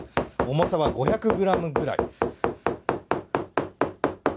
重さは５００グラムぐらい。